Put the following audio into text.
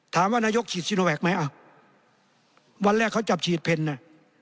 ถามว่านายกฉีดซิโนแวคไหมอ้าววันแรกเขาจับฉีดเพลนอ่ะ